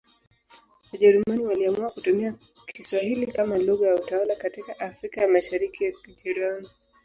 Wajerumani waliamua kutumia Kiswahili kama lugha ya utawala katika Afrika ya Mashariki ya Kijerumani.